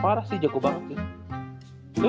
parah sih jago banget sih